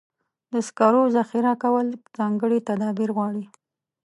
د سکرو ذخیره کول ځانګړي تدابیر غواړي.